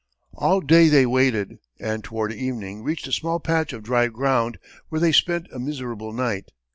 All day they waded, and toward evening reached a small patch of dry ground, where they spent a miserable night.